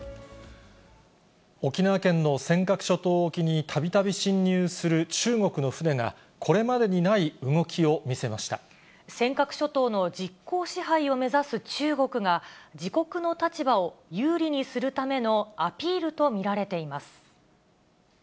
沖縄県の尖閣諸島沖に、たびたび侵入する中国の船が、尖閣諸島の実効支配を目指す中国が、自国の立場を有利にするためのアピールと見られています。